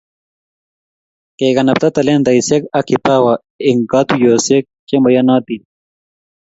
Kekanbta talentaisiek ak kipawa eng katuiyosiek che maiyonotin